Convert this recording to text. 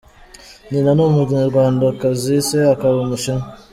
Nyina ni Umunyarwandakazi, Se akaba Umushinwa.